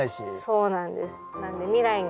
そうなんです。